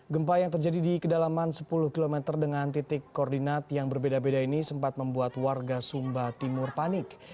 gempa yang terjadi di kedalaman sepuluh km dengan titik koordinat yang berbeda beda ini sempat membuat warga sumba timur panik